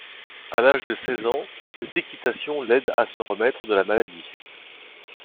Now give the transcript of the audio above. À l’âge de seize ans, cette équitation l’aide à se remettre de la maladie.